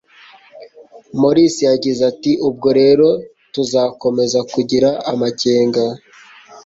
morris yagize ati ubwo rero tuzakomeza kugira amakenga